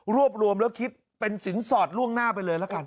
รวมแล้วคิดเป็นสินสอดล่วงหน้าไปเลยละกัน